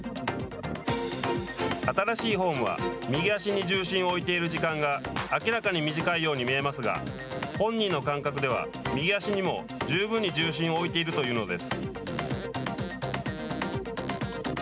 新しいフォームは右足に重心を置いている時間が明らかに短いように見えますが本人の感覚では、右足にも十分に重心を置いているというのです。